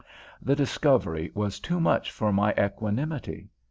The discovery was too much for my equanimity.